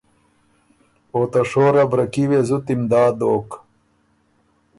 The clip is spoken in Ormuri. اوته شور ا برکي وې زُت امداد دوک